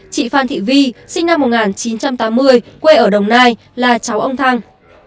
chị phan thị vi sinh năm một nghìn chín trăm tám mươi quê ở đồng nai là cháu ông thăng